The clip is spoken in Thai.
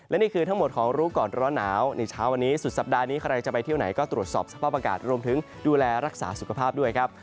และนี่คือทั้งหมดของรู้ก่อนร้อนหนาวในเช้าวันนี้สุดสัปดาห์นี้ใครจะไปเที่ยวไหนก็ตรวจสอบสภาพอากาศรวมถึงดูแลรักษาสุขภาพด้วยครับ